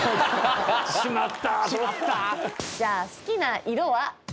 じゃあ好きな色は？